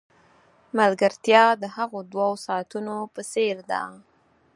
ملګرتیا د هغو دوو ساعتونو په څېر ده.